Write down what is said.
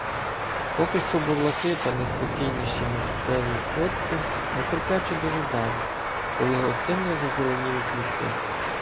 Поки що бурлаки та неспокійніші місцеві хлопці нетерпляче дожидали, коли гостинно зазеленіють ліси.